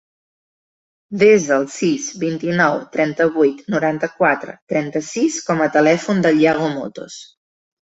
Desa el sis, vint-i-nou, trenta-vuit, noranta-quatre, trenta-sis com a telèfon del Yago Motos.